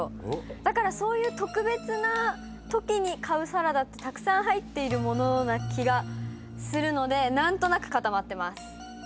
だからそういう特別なときに買うサラダってたくさん入っている物な気がするので何となく固まってます。